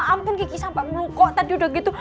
ampun kiki sampai melukok tadi udah gitu